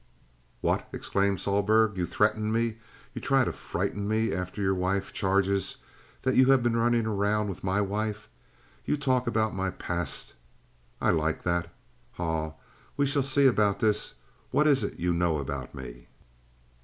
"What!" exclaimed Sohlberg. "You threaten me? You try to frighten me after your wife charges that you have been running around weeth my wife? You talk about my past! I like that. Haw! We shall see about dis! What is it you knaw about me?"